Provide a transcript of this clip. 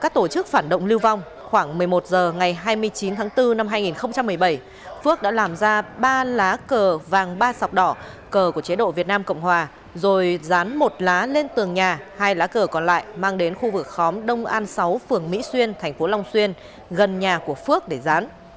tổ chức phản động lưu vong khoảng một mươi một h ngày hai mươi chín tháng bốn năm hai nghìn một mươi bảy phước đã làm ra ba lá cờ vàng ba sọc đỏ cờ của chế độ việt nam cộng hòa rồi dán một lá lên tường nhà hai lá cờ còn lại mang đến khu vực khóm đông an sáu phường mỹ xuyên thành phố long xuyên gần nhà của phước để rán